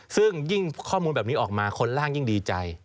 ซึ่งยิ่งข้อมูลแบบนี้ออกมาคนล่างยิ่งดีใจ